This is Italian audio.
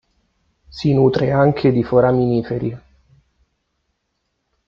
Si nutre anche di foraminiferi.